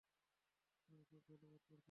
আমি খুব ভালো বোধ করছি না।